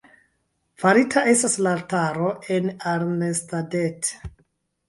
Farita estas la altaro en Arnstadt.